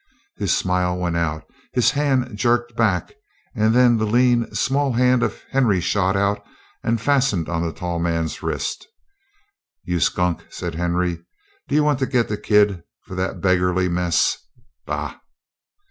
His smile went out; his hand jerked back; and then the lean, small hand of Henry shot out and fastened on the tall man's wrist. "You skunk!" said Henry. "D'you want to get the kid for that beggarly mess? Bah!"